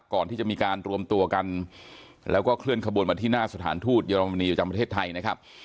ก่อนที่จะมีการรวมตัวกันแล้วก็เคลื่อนขบวนมาที่หน้าสถานทูตเยอรมนีประจำประเทศไทยนะครับ